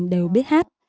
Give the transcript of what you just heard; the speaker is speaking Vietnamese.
đều biết hát